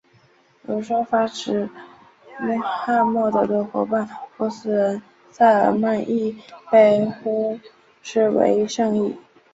有说法指穆罕默德的伙伴波斯人塞尔曼亦被视为圣裔。